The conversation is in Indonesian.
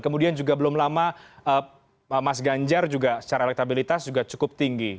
kemudian juga belum lama mas ganjar juga secara elektabilitas juga cukup tinggi